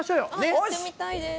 やってみたいです。